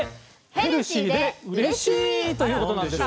「ヘルシーでうれしい！」。ということなんですよ。